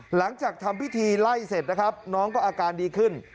หลังจากทำพิธีไล่เสร็จนะครับน้องก็อาการดีขึ้น